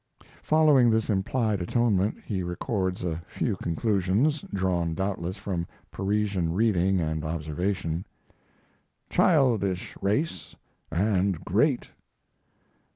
Following this implied atonement, he records a few conclusions, drawn doubtless from Parisian reading and observation: "Childish race and great."